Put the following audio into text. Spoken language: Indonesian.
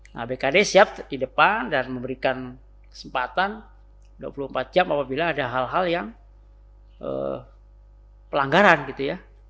nah bkd siap di depan dan memberikan kesempatan dua puluh empat jam apabila ada hal hal yang pelanggaran gitu ya